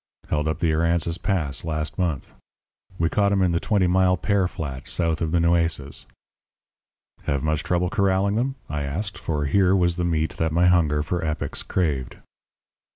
Held up the Aransas Pass last month. We caught 'em in the Twenty Mile pear flat, south of the Nueces." "Have much trouble corralling them?" I asked, for here was the meat that my hunger for epics craved.